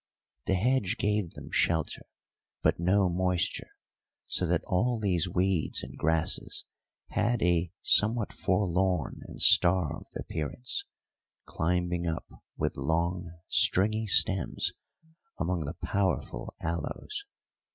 The hedge gave them shelter, but no moisture, so that all these weeds and grasses had a somewhat forlorn and starved appearance, climbing up with long stringy stems among the powerful aloes.